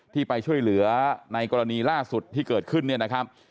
ที่ไปช่วยเหลือในกรณีล่าสุดที่เกิดขึ้นเนี่ยนะครับ